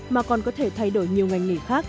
mà còn có thể thay đổi nhiều ngành nghề khác